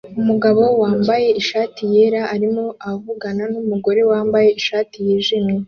Umugabo wambaye ishati yera arimo avugana numugore wambaye ishati yijimye